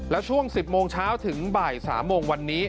แล้วช่วง๑๐โมงเช้าถึงบ่าย๓โมงวันนี้